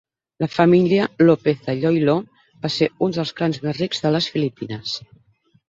La família López de Iloílo va ser un dels clans més rics de les Filipines.